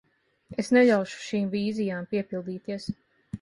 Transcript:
Es neļaušu šīm vīzijām piepildīties.